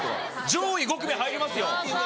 上位５組入りますよ。